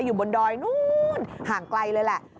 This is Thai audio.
อยู่บนดอยนู้นห่างไกลเลยแหละ